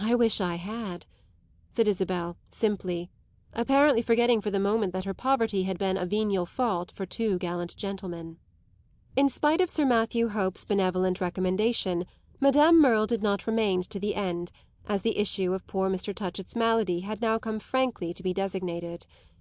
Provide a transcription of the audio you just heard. "I wish I had!" said Isabel, simply, apparently forgetting for the moment that her poverty had been a venial fault for two gallant gentlemen. In spite of Sir Matthew Hope's benevolent recommendation Madame Merle did not remain to the end, as the issue of poor Mr. Touchett's malady had now come frankly to be designated.